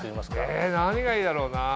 え何がいいだろうな。